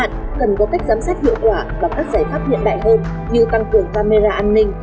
cần có cách giám sát hiệu quả và các giải pháp hiện đại hơn như tăng cường camera an ninh